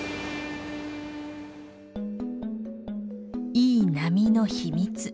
いい波の秘密。